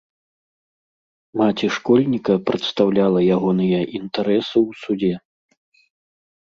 Маці школьніка прадстаўляла ягоныя інтарэсы ў судзе.